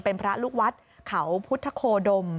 เป็นพระลูกวัดเขาพุทธโคดม